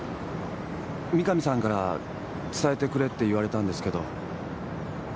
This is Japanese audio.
三神さんから伝えてくれって言われたんですけど。